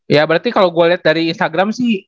ya berarti kalau gue lihat dari instagram sih